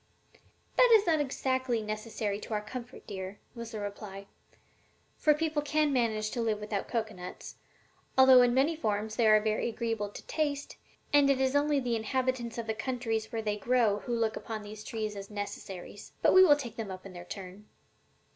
"That is not exactly necessary to our comfort, dear," was the reply, "for people can manage to live without cocoanuts, although in many forms they are very agreeable to the taste, and it is only the inhabitants of the countries where they grow who look upon these trees as necessaries; but we will take them up in their turn.